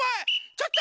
ちょっと！